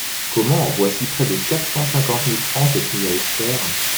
Comment! voici près de quatre cent cinquante mille francs ! s’écria Esther.